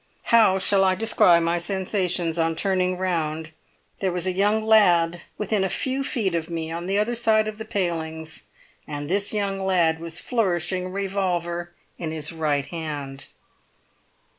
How shall I describe my sensations on turning round? There was a young lad within a few feet of me, on the other side of the palings; and this young lad was flourishing a revolver in his right hand!